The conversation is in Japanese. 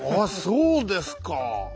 そうですか！